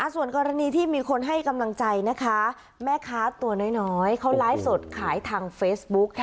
ส่วนกรณีที่มีคนให้กำลังใจนะคะแม่ค้าตัวน้อยเขาไลฟ์สดขายทางเฟซบุ๊ก